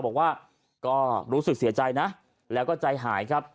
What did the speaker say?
บอกว่าก็รู้สึกเสียใจนะแล้วก็ใจหายครับ